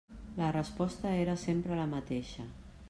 La resposta era sempre la mateixa.